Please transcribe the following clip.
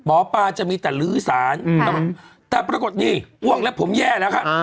หมอปลาจะมีแต่ลื้อสารแต่ปรากฏนี่อ้วกแล้วผมแย่แล้วครับ